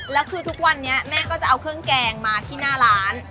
แล้วคือทุกวันนี้แม่ก็จะเอาเครื่องแกงมาที่หน้าร้าน